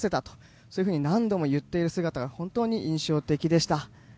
そういうふうに何度も言っている姿が本当に印象的でした。